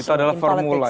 itu adalah formula